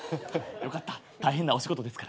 よかった大変なお仕事ですから。